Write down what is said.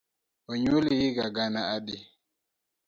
Onyuoli higa gana adi?